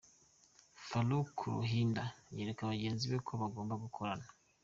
Farouk Ruhinda yereka bagenzi be ko bagomba gukorana.